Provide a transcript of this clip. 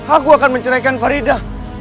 aku akan menceraikan farida